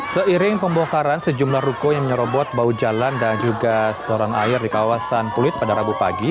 seiring pembongkaran sejumlah ruko yang menyerobot bau jalan dan juga saluran air di kawasan pulit pada rabu pagi